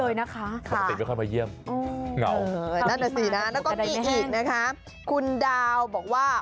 ญาติจะเยอะเลยนะคะค่ะนั่นแหละสินะแล้วก็มีอีกนะคะคุณดาวบอกว่า